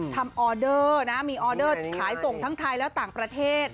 ออเดอร์นะมีออเดอร์ขายส่งทั้งไทยและต่างประเทศ